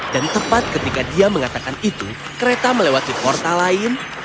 dan tepat ketika dia mengatakan itu kereta melewati portal lain